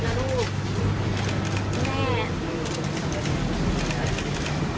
สวัสดีครับ